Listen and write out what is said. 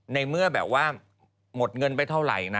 ในเมื่อแบบว่าหมดเงินไปเท่าไหร่นะ